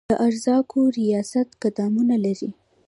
د ارزاقو ریاست ګدامونه لري؟